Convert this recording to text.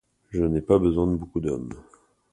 Je n’ai pas besoin de beaucoup d’hommes.